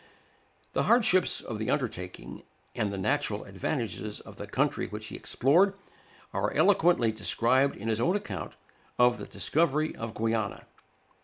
The hardships of the undertaking, and the natural advantages of the country which he explored, are eloquently described in his own account of the "Discovery of Guiana."